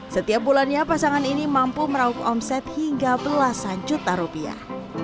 setiap bulannya pasangan ini mampu meraup omset hingga belasan juta rupiah